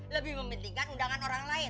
lebih mementingkan undangan orang lain